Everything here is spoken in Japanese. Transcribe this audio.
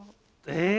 え。